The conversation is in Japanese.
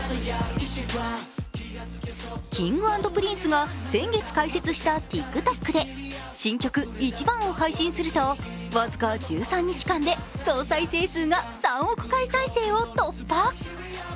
Ｋｉｎｇ＆Ｐｒｉｎｃｅが先月開設したＴｉｋＴｏｋで新曲「ｉｃｈｉｂａｎ」を配信すると、僅か１３日間で総再生回数が３億回再生を突破。